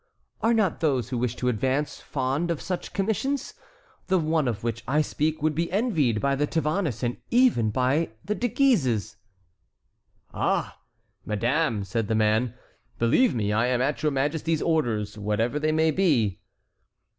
Are not those who wish to advance fond of such commissions? The one of which I speak would be envied by the Tavannes and even by the De Guises." "Ah! madame," said the man, "believe me, I am at your majesty's orders, whatever they may be."